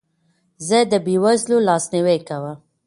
زه د بې وزلو لاسنیوی کوم.